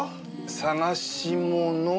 探し物。